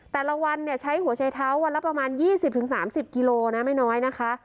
แต่ละวันใช้หัวชัยเท้าวันละประมาณ๒๐๓๐กิโลนะไม่น้อยนะคะ